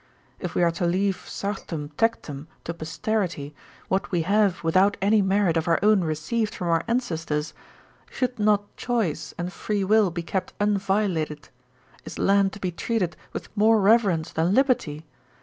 If we are to leave sartum tectum to posterity, what we have without any merit of our own received from our ancestors, should not choice and free will be kept unviolated? Is land to be treated with more reverence than liberty?